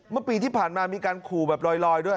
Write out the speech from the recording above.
เมื่อปีที่ผ่านมามีการขู่แบบลอยด้วย